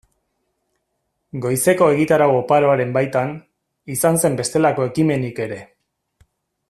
Goizeko egitarau oparoaren baitan, izan zen bestelako ekimenik ere.